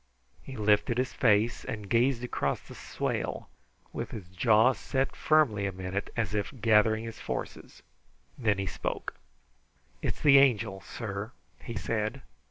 He lifted his face and gazed across the swale, with his jaws set firmly a minute, as if gathering his forces. Then he spoke. "It's the Angel, sir," he said.